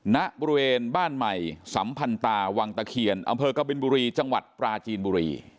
ณบริเวณบ้านใหม่สัมพันตาวังตะเคียนอำเภอกบินบุรีจังหวัดปราจีนบุรี